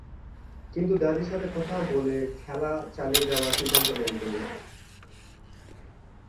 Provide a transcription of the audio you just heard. কিন্তু দাদীর সাথে কথা বলে খেলা চালিয়ে যাওয়ার সিদ্ধান্ত নেন তিনি।